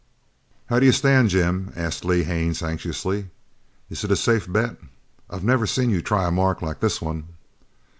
"How do you stand, Jim?" asked Lee Haines anxiously. "Is it a safe bet? I've never seen you try a mark like this one!"